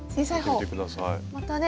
またね